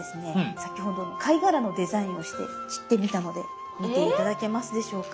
先ほどの貝殻のデザインをして切ってみたので見て頂けますでしょうか。